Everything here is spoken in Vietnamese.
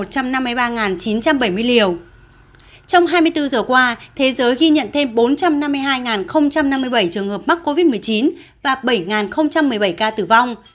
trong hai mươi bốn giờ qua thế giới ghi nhận thêm bốn trăm năm mươi hai năm mươi bảy trường hợp mắc covid một mươi chín và bảy một mươi bảy ca tử vong